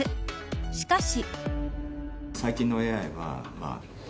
しかし。